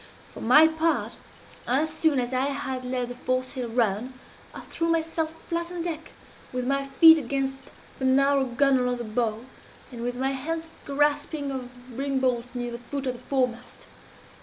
For my part, as soon as I had let the foresail run, I threw myself flat on deck, with my feet against the narrow gunwale of the bow, and with my hands grasping a ring bolt near the foot of the foremast.